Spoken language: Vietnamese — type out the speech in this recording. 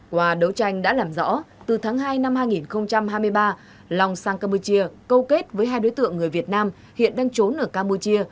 qua đấu tranh đã làm rõ từ tháng hai năm hai nghìn hai mươi ba long sang campuchia câu kết với hai đối tượng người việt nam hiện đang trốn ở campuchia